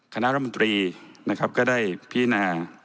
คณะรัฐมนตรีนะครับก็ได้พินา